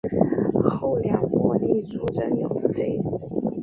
后梁末帝朱友贞的妃子。